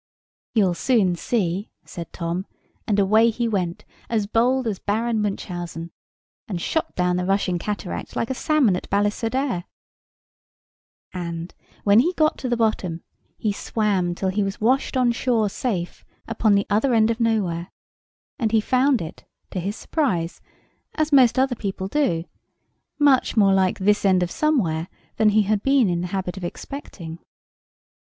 "You'll soon see," said Tom; and away he went, as bold as Baron Munchausen, and shot down the rushing cataract like a salmon at Ballisodare. And, when he got to the bottom, he swam till he was washed on shore safe upon the Other end of Nowhere; and he found it, to his surprise, as most other people do, much more like This End of Somewhere than he had been in the habit of expecting.